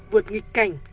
vượt nghịch cảnh